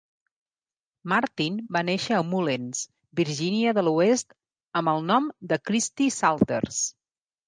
Martin va néixer a Mullens, Virginia de l'Oest amb el nom de Christy Salters.